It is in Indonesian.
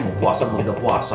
mau puasa mau tidak puasa